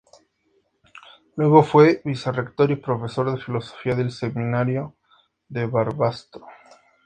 Luego fue vicerrector y profesor de Filosofía del Seminario de Barbastro.